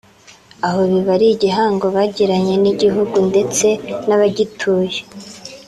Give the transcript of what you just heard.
aho biba ari igihango bagiranye n’igihugu ndetse n’abagituye